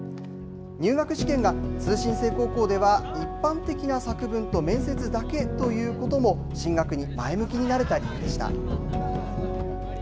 入学試験が通信制高校では一般的な作文と面接だけということも進学に前向きになれた理由でした。